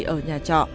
ở nhà trọ